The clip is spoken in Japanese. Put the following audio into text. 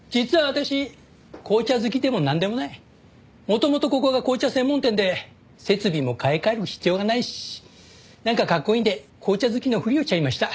元々ここが紅茶専門店で設備も買い替える必要がないしなんかかっこいいんで紅茶好きのふりをしちゃいました。